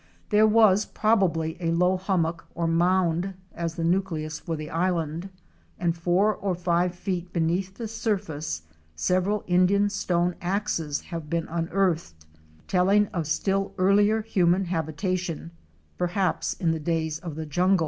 There was probably a low hummock or mound as the nucleus for the island, and four or five feet beneath the surface several Indian stone axes have been unearthed — telling of still earlier human habitation — perhaps in the days of the jungle.